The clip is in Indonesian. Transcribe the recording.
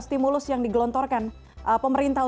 stimulus yang digelontorkan pemerintah